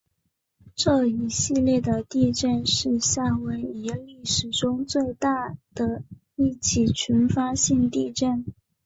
这一系列的地震是夏威夷历史中最大的一起群发性地震。